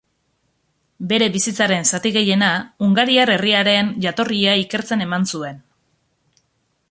Bere bizitzaren zati gehiena hungariar herriaren jatorria ikertzen eman zuen.